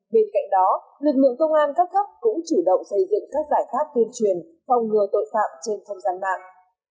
bên cạnh đó lực lượng công an các cấp cũng chủ động xây dựng các giải pháp tuyên truyền phòng ngừa tội phạm trên không gian mạng